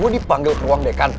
gue dipanggil ke ruang dekan